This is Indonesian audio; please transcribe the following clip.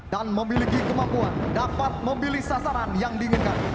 dan memiliki kemampuan dapat memilih sasaran yang diinginkan